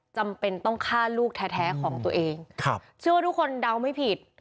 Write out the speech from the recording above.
จำเป็นต้องฆ่าลูกแท้ของตัวเองครับเชื่อว่าทุกคนเดาไม่ผิด